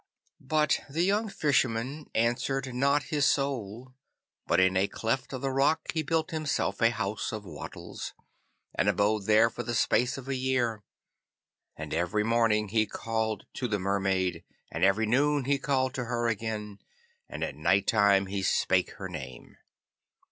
But the young Fisherman answered not his Soul, but in a cleft of the rock he built himself a house of wattles, and abode there for the space of a year. And every morning he called to the Mermaid, and every noon he called to her again, and at night time he spake her name.